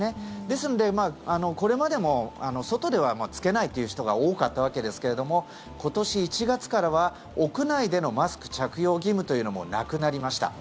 ですので、これまでも外では着けないという人が多かったわけですが今年１月からは屋内でのマスク着用義務というのもなくなりました。